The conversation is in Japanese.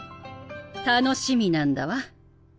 楽しみなんだわ。